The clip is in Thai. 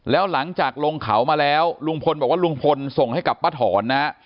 แล้วหลังจากลงเขามาแล้วลุงพลบอกว่าลุงพลส่งให้กับป้าถอนนะฮะ